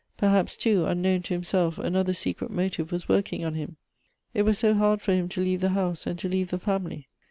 Perhaps, too, unknown to himself, another secret motive was working on him. It was so hard for him to leave the house, and to leave the family.